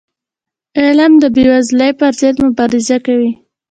علم د بېوزلی پر ضد مبارزه کوي.